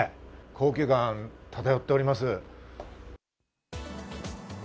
高級感、漂っております。